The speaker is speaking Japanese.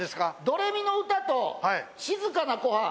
『ドレミの歌』と『静かな湖畔』。